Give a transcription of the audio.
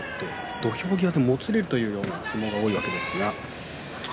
土俵際でもつれるという相撲も多いです。